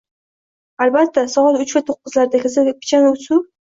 Albatta, soat uch va to`qqizdagisida pichan-u suv